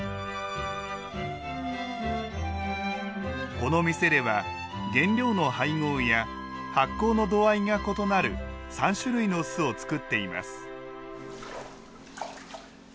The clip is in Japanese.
この店では原料の配合や発酵の度合いが異なる３種類の酢を造っています